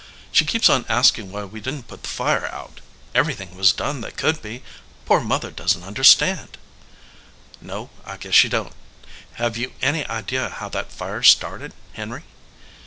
"She keeps on asking why we didn t put the fire out. Everything was done that could be. Poor Mother doesn t understand." "No, I guess she don t. Have you any idea how that fire started, Henry?"